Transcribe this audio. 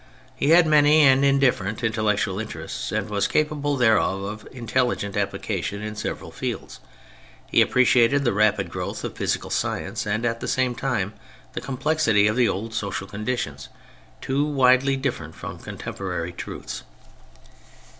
He had many and indifferent intellectual interests, and was capable, therefore, of intelligent application in several fields. He appreciated the rapid growth of physical science, and at the same time the complexity of the old social conditions — too widely different from contem porary truths.